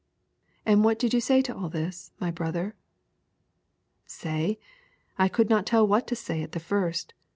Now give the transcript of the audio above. And what did you say to all this, my brother? Say? I could not tell what to say at the first.